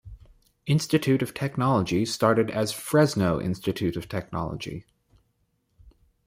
Institute of Technology started as Fresno Institute of Technology.